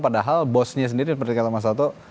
padahal bosnya sendiri seperti kata mas sato